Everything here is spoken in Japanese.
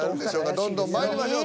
どんどんまいりましょう。